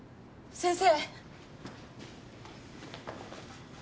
先生。